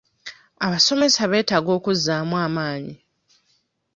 Abasomesa beetaaga okuzzaamu amaanyi.